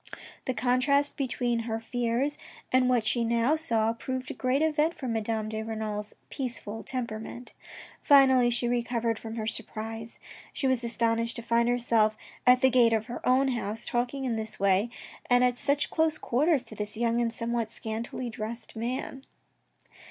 The contrast between her fears and what she now saw, proved a great event for Madame de Renal's peaceful temperament. Finally, she recovered from her surprise. She was astonished to find herself at the gate of her own house talking in this way ENNUI 29 and at such close quarters to this young and somewhat scantily dressed man.